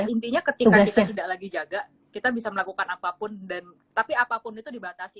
intinya ketika kita tidak lagi jaga kita bisa melakukan apapun tapi apapun itu dibatasi